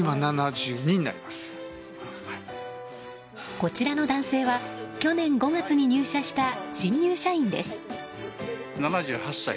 こちらの男性は去年５月に入社した新入社員です。